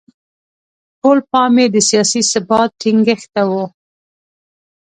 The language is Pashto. ټول پام یې د سیاسي ثبات ټینګښت ته و.